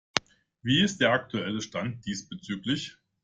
Wie ist der aktuelle Stand diesbezüglich?